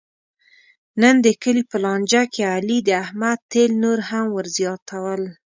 نن د کلي په لانجه کې علي د احمد تېل نور هم ور زیاتول.